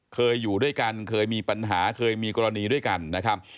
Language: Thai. เคยอยู่ด้วยกันเคยมีปัญหาเคยมีกรณีด้วยกันนะครับ